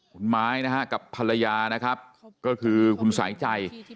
คุณไม้นะฮะกับภรรยานะครับก็คือคุณสายใจ